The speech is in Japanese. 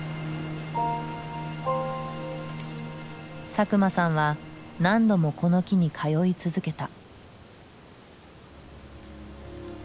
佐久間さんは何度もこの木に通い続けた。